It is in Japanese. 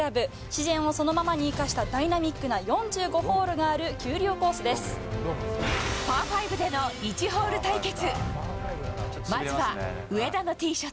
自然をそのままに生かしたダイナミックな４５ホールがある丘陵コパー５での１ホール対決。